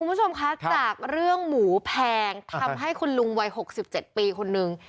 คุณผู้ชมคะจากเรื่องหมูแพงทำให้คุณลุงวัย๖๗ปีคนนึง